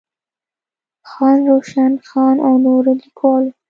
خان روشن خان او نورو ليکوالو